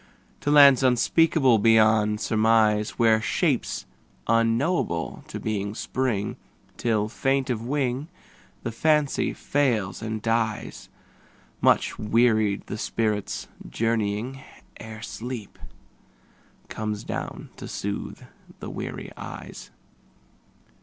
To lands unspeakable beyond surmise, Where shapes unknowable to being spring, Till, faint of wing, the Fancy fails and dies Much wearied with the spirit's journeying, Ere sleep comes down to soothe the weary eyes.